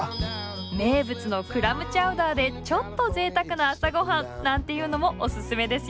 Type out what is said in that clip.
名物のクラムチャウダーでちょっと贅沢な朝ごはんなんていうのもおすすめですよ。